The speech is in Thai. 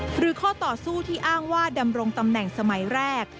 หรือข้อต่อสู้ที่อ้างว่าดำรงตำแหน่งสมัยแรก